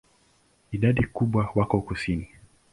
Idadi kubwa wako kusini.